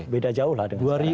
beda jauh lah